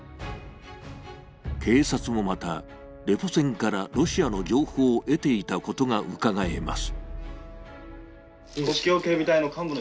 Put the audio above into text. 警察もまた、レポ船からロシアの情報を得ていたことがうかがえます。